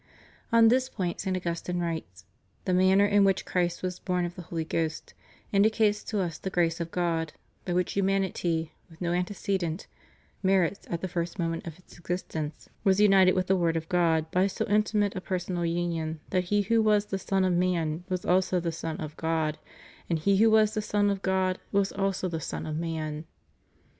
On this point St. Augustine writes: "The mamier in which Christ was born of the Holy Ghost indi cates to us the grace of God, by which humanity, with no antecedent merits, at the first moment of its existence, was united with the Word of God by so intimate a per sonal union that He who was the Son of man was also the Son of God, and He who was the Son of God was also the Son of man."